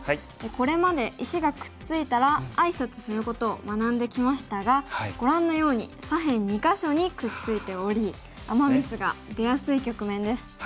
これまで石がくっついたらあいさつすることを学んできましたがご覧のように左辺２か所にくっついておりアマ・ミスが出やすい局面です。